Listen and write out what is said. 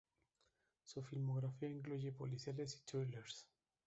Su filmografía incluye policiales y thrillers.